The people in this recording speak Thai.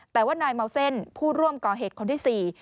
แต่ว่านายเมาเซ่นผู้ร่วมก่อเหตุคนที่๔